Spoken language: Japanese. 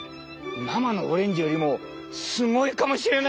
生のオレンジよりもすごいかもしれない！